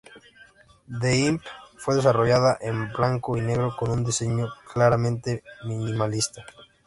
The Imp fue desarrollada en blanco y negro con un diseño claramente minimalista.